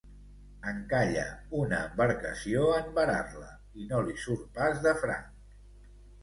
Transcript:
Encalla una embarcació en varar-la, i no li surt pas de franc.